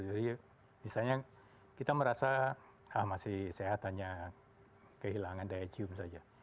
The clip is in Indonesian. jadi misalnya kita merasa masih sehat hanya kehilangan diacium saja